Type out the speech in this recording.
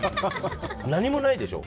何もないでしょ。